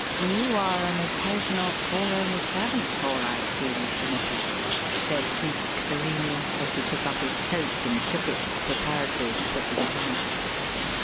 "You are an occasional caller in the servants' hall, I see, Mr. Nippers," said Cleek, serenely, as he took up his coat and shook it, preparatory to putting it on.